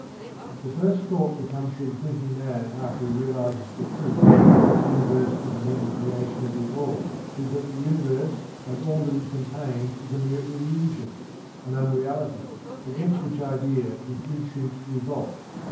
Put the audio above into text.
The first thought that comes to the thinking man after he realizes the truth that the Universe is a Mental Creation of THE ALL, is that the Universe and all that it contains is a mere illusion; an unreality; against which idea his instincts revolt.